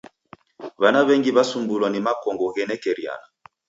W'ana w'engi w'asumbulwa ni makongo ghenekeriana.